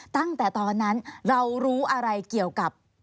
ตั้งแต่ตอนนั้นเรารู้อะไรเกี่ยวกับ